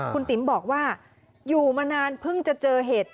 คุณติ๋มบอกว่าอยู่มานานเพิ่งจะเจอเหตุ